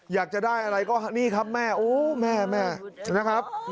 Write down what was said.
อยากจะได้อะไรก็นี่ครับแม่โอ้แม่แม่นะครับ